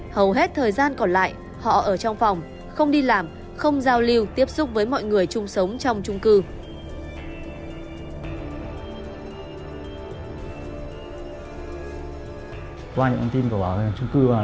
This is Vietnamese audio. hầu hết thời gian còn lại họ ở trong phòng không đi làm không giao lưu tiếp xúc với mọi người chung sống trong trung cư